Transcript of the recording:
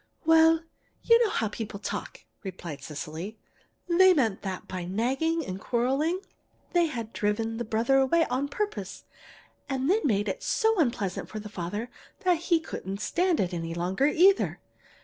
"Well, you know how people talk," replied Cecily. "They meant that by nagging and quarreling they had driven the brother away on purpose, and then made it so unpleasant for the father that he couldn't stand it any longer either.